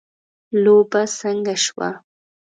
لوبه څنګه شوه .